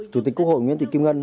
chủ tịch quốc hội nguyễn thị kim ngân